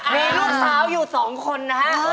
มีลูกสาวอยู่๒คนนะฮะ